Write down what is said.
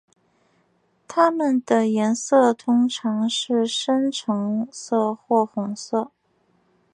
它们的颜色通常是深橙色或红色。